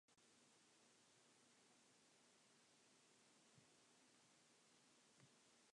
Woo has met Judge Dredd twice.